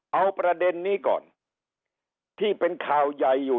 เอาประเด็นนี้ก่อนที่เป็นข่าวใหญ่อยู่